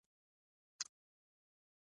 سيکس د ژوند اړتيا ده.